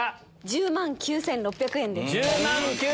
１０万９６００円です。